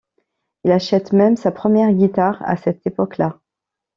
Il achète même sa première guitare à cette époque-là.